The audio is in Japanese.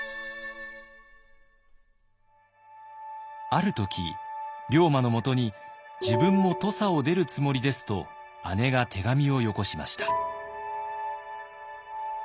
ある時龍馬のもとに「自分も土佐を出るつもりです」と姉が手紙をよこしました。